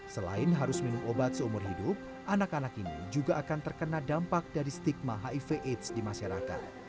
selain harus minum obat seumur hidup anak anak ini juga akan terkena dampak dari stigma hiv aids di masyarakat